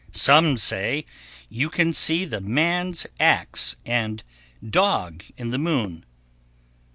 Some say you can see the man's axe and dog in the moon.